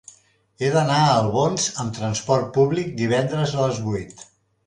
He d'anar a Albons amb trasport públic divendres a les vuit.